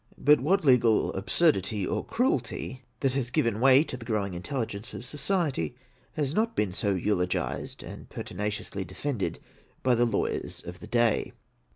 But what legal absurdity or cruelty, that has given way to the growing intelligence of society, has not been so eulogised and pertinaciously defended by the lawyers of the day!